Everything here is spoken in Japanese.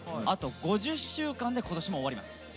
あと５０週間で今年も終わります。